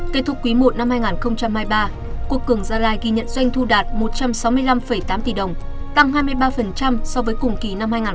kết thúc quý i năm hai nghìn hai mươi ba quốc cường gia lai ghi nhận doanh thu đạt một trăm sáu mươi năm tám tỷ đồng tăng hai mươi ba so với cùng kỳ năm hai nghìn hai mươi ba